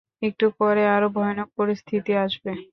একটু পরে আরও ভয়ানক পরিস্থিতি আসবে।